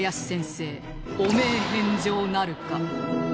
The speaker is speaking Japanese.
汚名返上なるか？